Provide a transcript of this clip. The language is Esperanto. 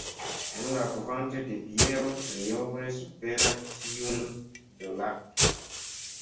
Nun la kvanto de biero trioble superas tiun de lakto.